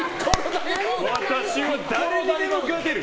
私は誰にでも勝てる！